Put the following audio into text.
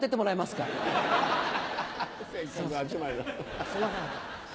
すいません。